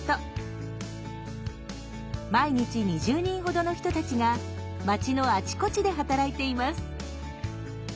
毎日２０人ほどの人たちが町のあちこちで働いています。